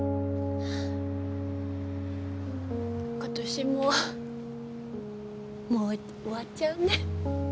今年ももう終わっちゃうね。